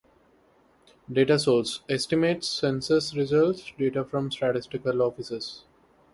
Data source: Estimates, Census results, data from statistical offices.